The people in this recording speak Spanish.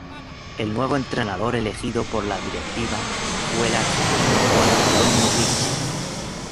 El nuevo entrenador elegido por la directiva fue el argentino Juan Antonio Pizzi.